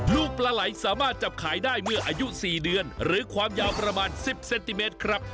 ลูกปลาไหลสามารถจับขายได้เมื่ออายุ๔เดือนหรือความยาวประมาณ๑๐เซนติเมตรครับ